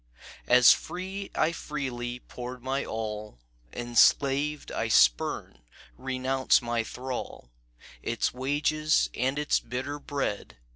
"As free I freely poured my all, Enslaved I spurn, renounce my thrall, Its wages and its bitter bread."